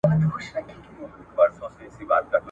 زه به نه یم ستا په لار کي به مي پل وي ..